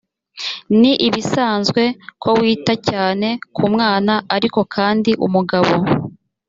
ni ibisanzwe ko wita cyane ku mwana ariko kandi umugabo